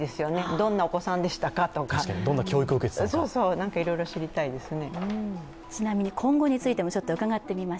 どんなお子さんでしたかとか、いろいろ知りたいですね。